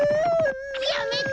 やめて！